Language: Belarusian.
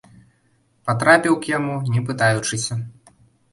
Патрапіў к яму, не пытаючыся.